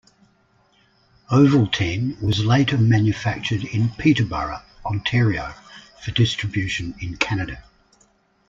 Ovaltine was later manufactured in Peterborough, Ontario for distribution in Canada.